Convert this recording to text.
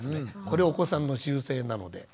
これお子さんの習性なので。